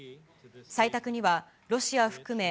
採択には、ロシア含め、